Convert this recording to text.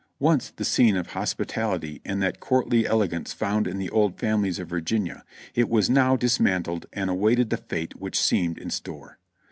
Once the scene of hos pitality and that courtly elegance found in the old families of Vir ginia, it was now dismantled and awaited the fate which seemed in store.